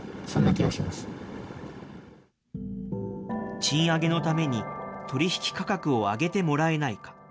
賃上げのために取り引き価格を上げてもらえないか。